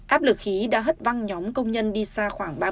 áp lực khí đã hất văng nhóm công nhân đi xa khoảng